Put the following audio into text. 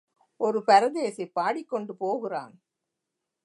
ஒரு பரதேசி பாடிக் கொண்டு போகிறான்.